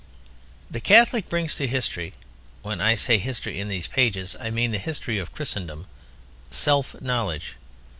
The Catholic brings to history (when I say "history" in these pages I mean the history of Christendom) self knowledge.